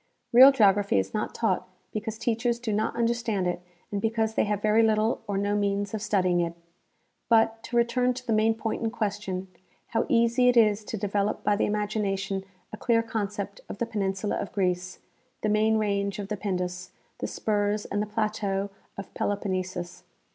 Real geography is not taught because teachers do not understand it and because they have very little or no means of studying it. But, to return to the main point in question, how easy it is to develop by the imagination a clear concept of the penin sula of Greece, the main range of the Pindus, the spurs and the plateau of Peloponnesus.